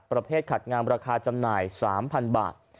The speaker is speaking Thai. ประเภทขัดงามราคาจำหน่าย๓๐๐๐บาท